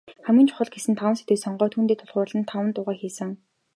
Хамгийн чухал гэсэн таван сэдвийг сонгоод, түүндээ тулгуурлан таван дуугаа хийсэн.